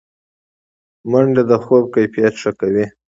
منډه د خوب کیفیت ښه کوي